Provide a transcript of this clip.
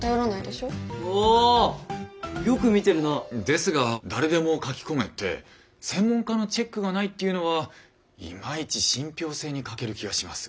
ですが誰でも書き込めて専門家のチェックがないっていうのはいまいち信ぴょう性に欠ける気がします。